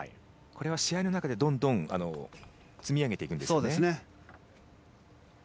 試合の中でどんどん積み上げていくんですね。